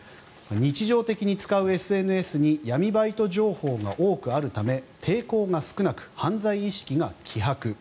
日常的に使うＳＮＳに闇バイト情報が多くあるため抵抗が少なく犯罪意識が希薄。